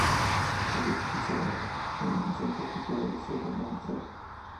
El edificio es ahora un centro cultural de la ciudad de Montreal.